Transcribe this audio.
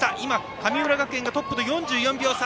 神村学園がトップと４４秒差。